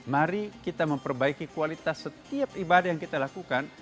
mari kita memperbaiki kualitas setiap ibadah yang kita lakukan